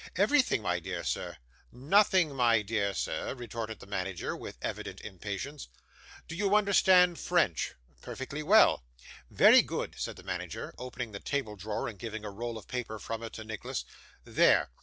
'Everything, my dear sir.' 'Nothing, my dear sir,' retorted the manager, with evident impatience. 'Do you understand French?' 'Perfectly well.' 'Very good,' said the manager, opening the table drawer, and giving a roll of paper from it to Nicholas. 'There!